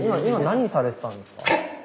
今何されてたんですか？